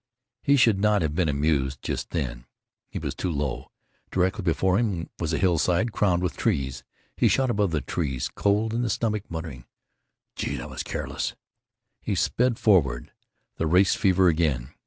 He should not have been amused just then. He was too low. Directly before him was a hillside crowned with trees. He shot above the trees, cold in the stomach, muttering, "Gee! that was careless!" He sped forward. The race fever again.